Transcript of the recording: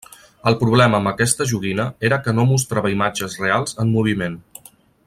El problema amb aquesta joguina, era que no mostrava imatges reals en moviment.